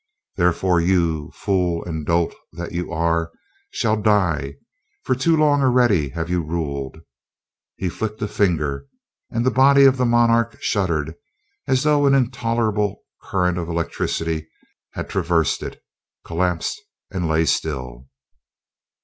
Therefore you, fool and dolt that you are, shall die for too long already have you ruled." He flicked a finger and the body of the monarch shuddered as though an intolerable current of electricity had traversed it, collapsed and lay still.